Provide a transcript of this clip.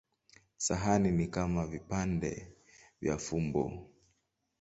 Sahani ni kama vipande vya fumbo.